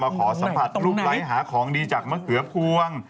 ขอสัมผัสรูปไลค์หาของดีจากมะเขือพวง